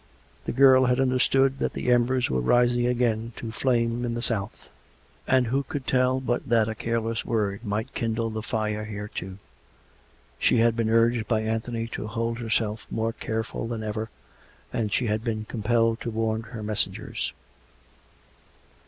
The girl had understood that the embers were rising again to flame in the south; and who could tell but that a careless word might kindle the fire here, too. She had been urged by Anthony to hold herself more careful than ever, and she had been compelled to warn her messengers.